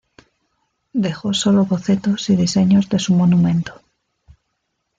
Dejó sólo bocetos y diseños de su monumento.